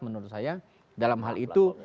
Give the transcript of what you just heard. menurut saya dalam hal itu